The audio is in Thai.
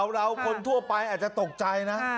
เราคนทั่วไปอาจจะตกใจนะ